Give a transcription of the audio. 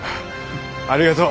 ありがとう。